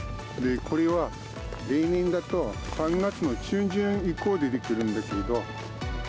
これは、例年だと３月の中旬以降に出てくるんだけど。